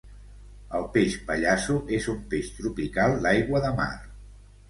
El peix pallasso és un peix tropical d'aigua de mar.